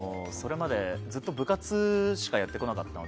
僕は、それまでずっと部活しかやってこなかったので。